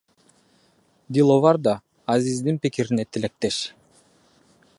Диловар да Азиздин пикирине тилектеш.